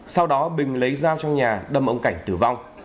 sau đó bình lấy dao trong nhà đâm ông cảnh tử vong